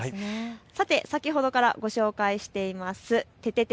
先ほどからご紹介していますててて！